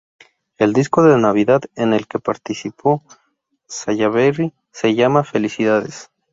El disco de Navidad en el que participó Sallaberry se llama "Felicidades".